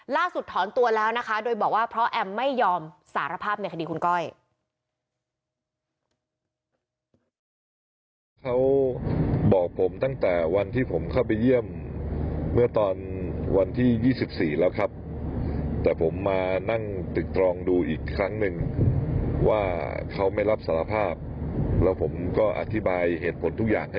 ถอนตัวแล้วนะคะโดยบอกว่าเพราะแอมไม่ยอมสารภาพในคดีคุณก้อย